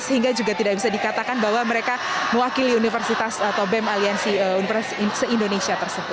sehingga juga tidak bisa dikatakan bahwa mereka mewakili universitas atau bem aliansi universitas se indonesia